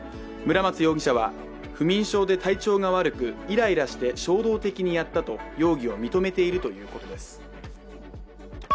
村松容疑者は不眠症で体調が悪くイライラして衝動的にやったと容疑を認めているということです。